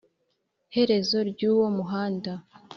herezo ry'uwo muhanda